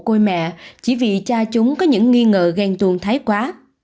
cô mẹ chỉ vì cha chúng có những nghi ngờ ghen tuồn thái quá